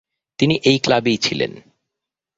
তিনি এই ক্লাবেই ছিলেন।